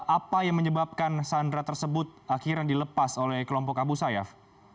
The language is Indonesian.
apa yang menyebabkan sandra tersebut akhirnya dilepas oleh kelompok abu sayyaf